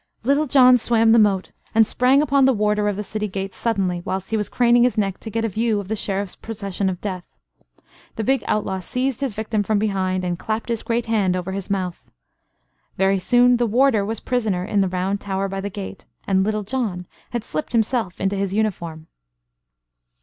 Little John swam the moat, and sprang upon the warder of the city gates suddenly, whilst he was craning his neck to get a view of the Sheriff's procession of death. The big outlaw seized his victim from behind, and clapped his great hand over his mouth. Very soon the warder was prisoner in the round tower by the gate; and Little John had slipped himself into his uniform.